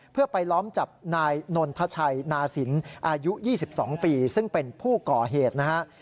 เพื่อไปล้อมจับนายนนทชัยนาสินอายุ๒๒ปีซึ่งเป็นผู้ก่อเหตุนะฮะ